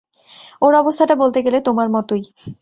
ওর অবস্থাটা বলতে গেলে তোমার মতোই।